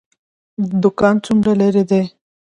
دکان څومره لرې دی؟